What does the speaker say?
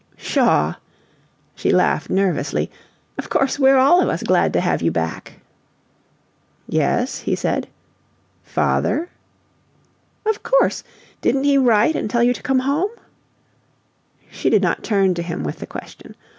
"Pshaw!" She laughed nervously. "Of course we're all of us glad to have you back." "Yes?" he said. "Father?" "Of course! Didn't he write and tell you to come home?" She did not turn to him with the question.